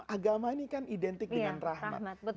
agama ini kan identik dengan rahmat